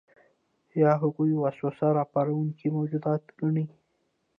یا هغوی وسوسه راپاروونکي موجودات ګڼي.